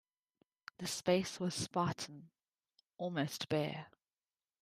The space was spartan, almost bare.